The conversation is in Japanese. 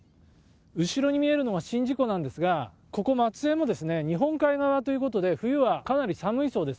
後ろに見えるのが宍道湖なんですがここ松江も日本海側ということで冬はかなり寒いそうです。